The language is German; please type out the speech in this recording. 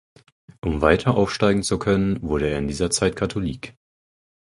Um weiter Aufsteigen zu können wurde er in dieser Zeit Katholik.